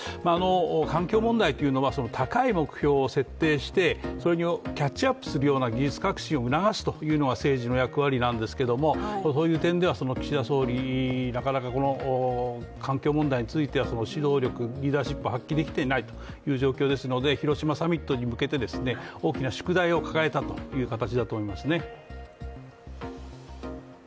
環境問題というのは、高い目標を設定してそれにキャッチアップするような技術革新を促すということが政治の役割なんですけれども、そういう点では岸田総理、なかなか環境問題については指導力、リーダーシップを発揮できてないという状況ですので広島サミットに向けて大きな宿題を抱えたという形だと思います。